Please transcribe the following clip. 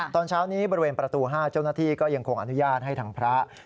ตอนเช้านี้บริเวณประตู๕เจ้าหน้าที่ก็ยังคงอนุญาตให้ทางพระ